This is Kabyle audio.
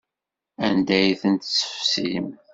Anda ay ten-tessefsim?